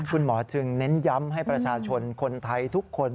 คุณหมอจึงเน้นย้ำให้ประชาชนคนไทยทุกคน